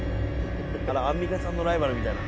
アンミカさんのライバルみたいな。